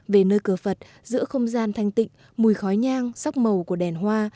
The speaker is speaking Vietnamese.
về nơi cờ phật giữa không gian thanh tịnh mùi khói nhang sóc màu của đèn hoa